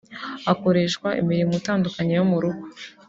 akoreshwa imirimo itandukanye yo mu rugo